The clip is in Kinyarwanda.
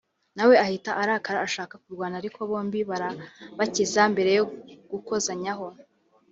na we ahita arakara ashaka kurwana ariko bombi barabakiza mbere yo gukozanyaho